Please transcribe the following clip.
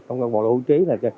công tác bộ hưu trí là